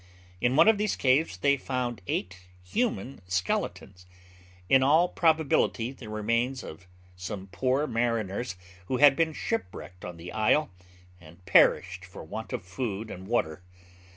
In one of these caves they found eight human skeletons, in all probability the remains of some poor mariners who had been shipwrecked on the isle, and perished for want of food and water.